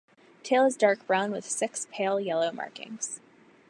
Tail is dark brown with six pale yellow markings.